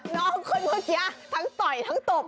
น้องคนเพิ่งเกียร์ทั้งต่อยทั้งตบ